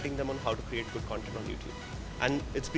mengajar mereka bagaimana membuat konten yang bagus di youtube